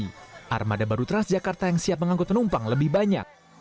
pada hari ini armada baru transjakarta yang siap mengangkut penumpang lebih banyak